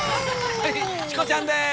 はいチコちゃんです！